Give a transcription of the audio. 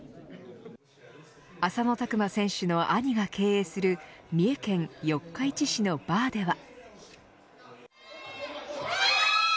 浅野拓磨選手の兄が経営する三重県四日市市のバーでは。